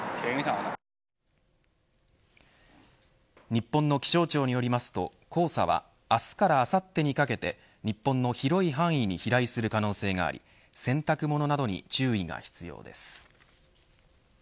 日本の気象庁によりますと黄砂は明日からあさってにかけて日本の広い範囲に飛来する可能性があり洗濯物などに注意が必要です。